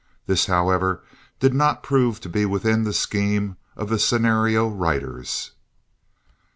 This, however, did not prove to be within the scheme of the scenario writers.